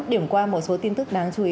điểm qua một số tin tức đáng chú ý